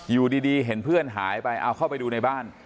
อยู่ดีเห็นเพื่อนหายไปเอาเข้าไปดูในบ้าน